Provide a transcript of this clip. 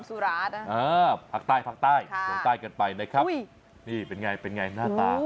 สุราษฎร์ธานีผลักใต้ผลักใต้ผลักใต้กันไปนะครับนี่เป็นไงเป็นไงหน้าตา